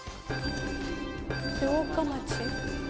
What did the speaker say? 城下町。